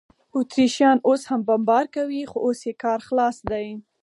اتریشیان اوس هم بمبار کوي، خو اوس یې کار خلاص دی.